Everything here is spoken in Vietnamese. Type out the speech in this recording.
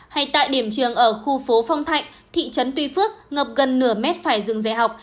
hay tại điểm trường ở khu phố phong thạnh thị trấn tuy phước ngập gần nửa mét phải dừng dạy học